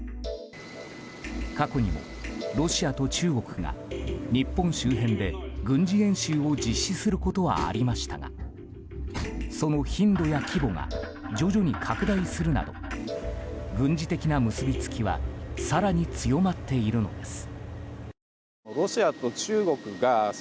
過去にもロシアと中国が日本周辺で軍事演習を実施することはありましたがその頻度や規模が徐々に拡大するなど軍事的な結びつきは更に強まっているのです。